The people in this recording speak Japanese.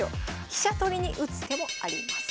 飛車取りに打つ手もあります。